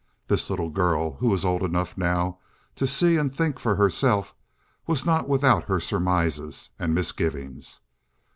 This little girl, who was old enough now to see and think for herself, was not without her surmises and misgivings.